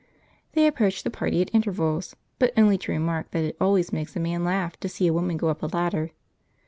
They approach the party at intervals, but only to remark that it always makes a man laugh to see a woman go up a ladder.